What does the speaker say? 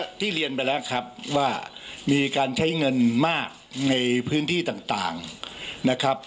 ที่เรียนไปแล้วครับว่ามีการใช้เงินมากในพื้นที่ต่างนะครับ